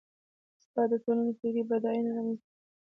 استاد د ټولنې فکري بډاینه رامنځته کوي.